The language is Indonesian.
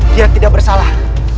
dia tidak bersalah